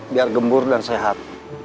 biar gembur dan sehat